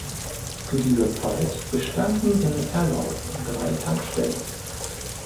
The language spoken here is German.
Zu dieser Zeit bestanden in Erlauf drei Tankstellen.